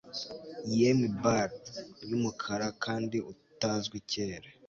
yemwe bard yumukara kandi utazwi kera